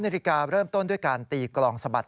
ร้านหนานะครับ